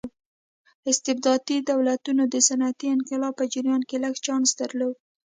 استبدادي دولتونو د صنعتي انقلاب په جریان کې لږ چانس درلود.